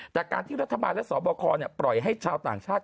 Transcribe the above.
แต่การที่รัฐบาลและสบคปล่อยให้ชาวต่างชาติ